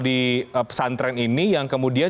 di pesantren ini yang kemudian